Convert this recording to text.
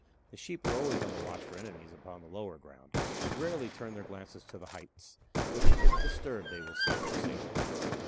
The sheep are always on the watch for enemies upon the lower ground, but rarely turn their glances to the heights, which, if disturbed, they will seek for safety."